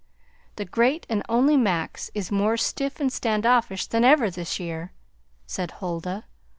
"The great and only Max is more stiff and standoffish than ever this year," said Huldah.